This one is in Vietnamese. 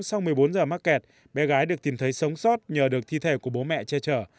trừ bốn giờ mắc kẹt bé gái được tìm thấy sống sót nhờ được thi thể của bố mẹ che chở